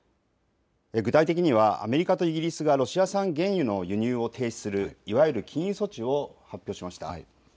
具体的にはアメリカとイギリスがロシア産原油の輸入を停止する、いわゆる禁輸措置を発表しました。